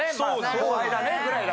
後輩だねぐらいで。